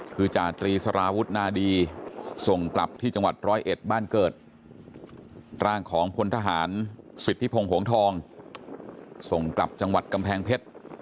คือจาตรีสารวุฒนาดีส่งกลับที่จังหวัดร้อยเอ็ดบ้านเกิดร่างของพลทหารสิทธิพงศ์ทองส่งกลับจังหวัดกำแพงเพชร